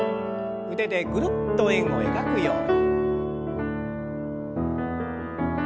腕でぐるっと円を描くように。